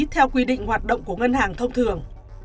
theo quy định hoạt động của ngân hàng thông thường